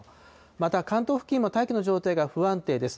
また関東付近も大気の状態が不安定です。